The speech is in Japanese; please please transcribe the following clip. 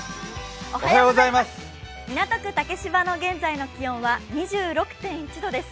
港区竹芝の現在の気温は２６．１度です。